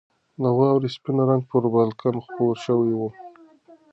د واورې سپین رنګ پر بالکن خپور شوی و.